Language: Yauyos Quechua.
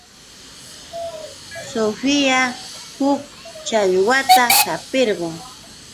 Sofía huk challwata hapirqun.